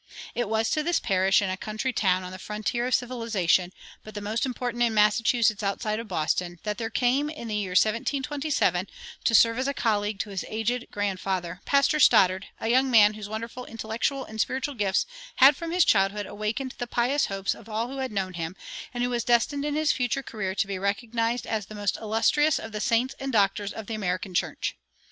It was to this parish in a country town on the frontier of civilization, but the most important in Massachusetts outside of Boston, that there came, in the year 1727, to serve as colleague to his aged grandfather, Pastor Stoddard, a young man whose wonderful intellectual and spiritual gifts had from his childhood awakened the pious hopes of all who had known him, and who was destined in his future career to be recognized as the most illustrious of the saints and doctors of the American church.